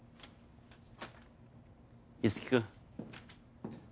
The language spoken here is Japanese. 樹君。